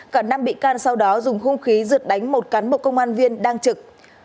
cả năm bị can sau đó dùng hung khí rượt đánh một cắn một công an viên đang trực